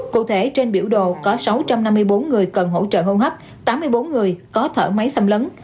cụ thể trên biểu đồ có sáu trăm năm mươi bốn người cần hỗ trợ hô hấp tám mươi bốn người có thở máy xâm lấn